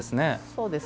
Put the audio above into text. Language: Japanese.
そうです。